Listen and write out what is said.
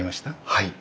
はい。